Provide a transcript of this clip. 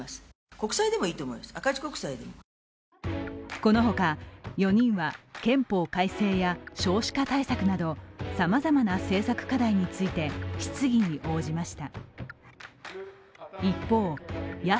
この他４人は憲法改正や少子化対策など、さまざまな政策課題についての質疑に応じました。